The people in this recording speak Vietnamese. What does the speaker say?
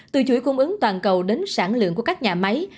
từ chuỗi cung ứng toàn cầu đến sản lượng của các nhà máy